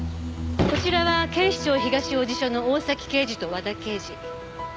こちらは警視庁東王子署の大崎刑事と和田刑事。